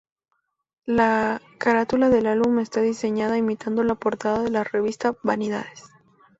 La carátula del álbum está diseñada imitando la portada de la revista ""Vanidades"".